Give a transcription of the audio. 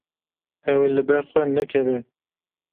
Ew ê li ber xwe nekeve.